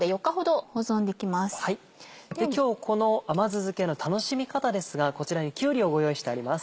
で今日この甘酢漬けの楽しみ方ですがこちらにきゅうりをご用意してあります。